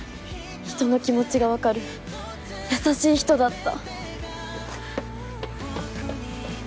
人の気持ちが分かる優しい人だった。